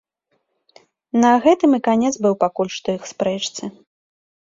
На гэтым і канец быў пакуль што іх спрэчцы.